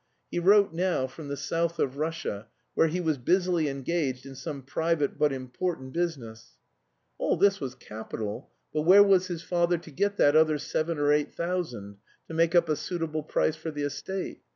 He wrote now from the south of Russia, where he was busily engaged in some private but important business. All this was capital, but where was his father to get that other seven or eight thousand, to make up a suitable price for the estate?